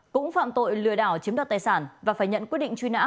cũng phạm tội lừa đảo chiếm đoạt tài sản và phải nhận quyết định truy nã